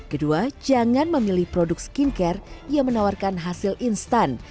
kedua jangan memilih produk skincare yang menawarkan hasil instan